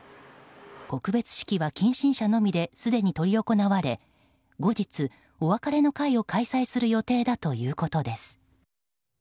告別式は近親者のみですでに執り行われ後日、お別れの会を開催する予定だということです。